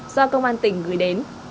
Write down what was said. do công an tỉnh gửi đến